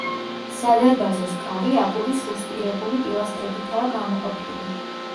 სადარბაზოს კარი აგურის რუსტირებული პილასტრებითაა გამოყოფილი.